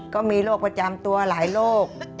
ก็มีโรคประจำตัวหลายโรค